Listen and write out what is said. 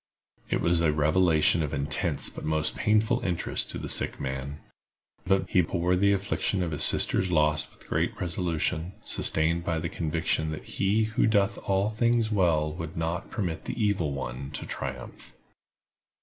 It was a revelation of intense but most painful interest to the sick man; but he bore the affliction of his sister's loss with great resolution, sustained by the conviction that He who doeth all things well would not permit the evil one to triumph.